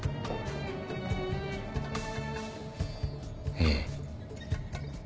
ええ。